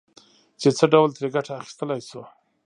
چې څه ډول ترې ګټه اخيستلای شو.